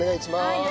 はい。